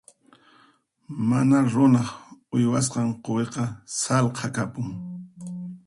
Mana runaq uywasqan quwiqa sallqa kapun.